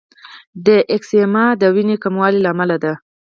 د ایسکیمیا د وینې کموالي له امله ده.